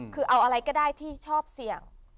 คือเอาอะไรก็ได้ที่ชอบเสี่ยง